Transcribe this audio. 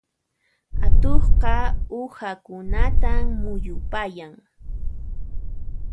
Atuqqa uhakunatan muyupayan.